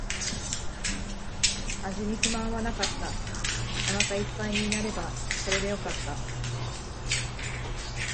味に不満はなかった。お腹一杯になればそれでよかった。